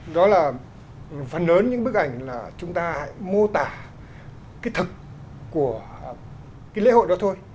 đó là phần lớn những bức ảnh là chúng ta hãy mô tả cái thực của cái lễ hội đó thôi